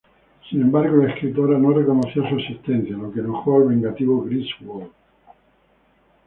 Sin embargo, la escritora no reconocía su asistencia, lo que enojó al vengativo Griswold.